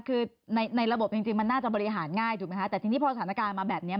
คือในในระบบจริงจริงมันน่าจะบริหารง่ายถูกไหมคะแต่ทีนี้พอสถานการณ์มาแบบนี้